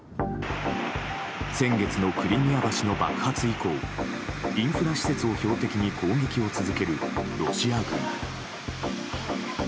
先月のクリミア橋の爆発以降インフラ施設を標的に攻撃を続けるロシア軍。